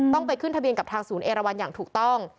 ต้องไปขึ้นทะเบียนกับทางศูนย์เอราวันอย่างถูกต้อง